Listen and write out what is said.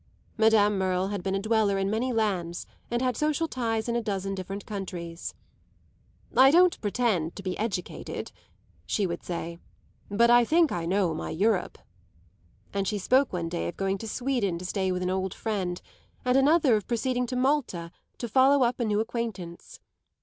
Madame Merle had been a dweller in many lands and had social ties in a dozen different countries. "I don't pretend to be educated," she would say, "but I think I know my Europe;" and she spoke one day of going to Sweden to stay with an old friend, and another of proceeding to Malta to follow up a new acquaintance.